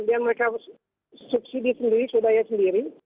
dan mereka subsidi sendiri sudaya sendiri